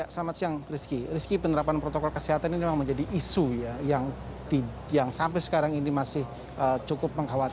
selamat siang rizky rizky penerapan protokol kesehatan ini memang menjadi isu yang sampai sekarang ini masih cukup mengkhawatirkan